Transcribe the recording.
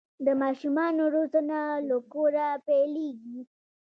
د ماشومانو روزنه له کوره پیلیږي.